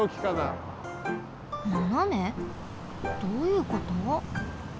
どういうこと？